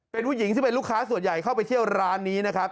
เป็นผู้หญิงซึ่งเป็นลูกค้าส่วนใหญ่เข้าไปเที่ยวร้านนี้นะครับ